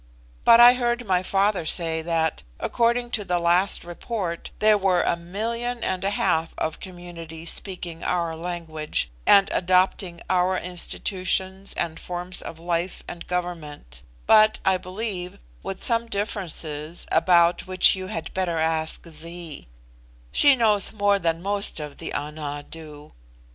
But I heard my father say that, according to the last report, there were a million and a half of communities speaking our language, and adopting our institutions and forms of life and government; but, I believe, with some differences, about which you had better ask Zee. She knows more than most of the Ana do.